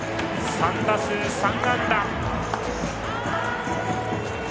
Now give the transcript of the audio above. ３打数３安打。